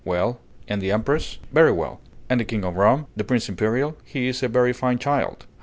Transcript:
"Well." "And the Empress?" "Very well." "And the King of Rome?" "The Prince Imperial? He is a very fine child."